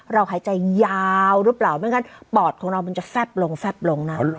หายใจยาวหรือเปล่าไม่งั้นปอดของเรามันจะแฟบลงแฟบลงนะ